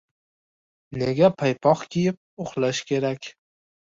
Nega paypoq kiyib uxlash kerak?